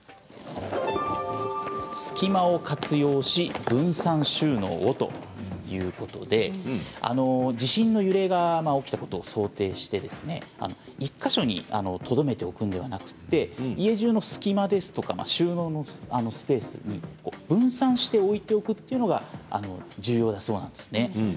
隙間を活用し、分散収納をということで地震の揺れが起きたことを想定して１か所にとどめておくのではなく家じゅうの隙間ですとか収納スペースに分散して置いておくというのが重要だそうなんです。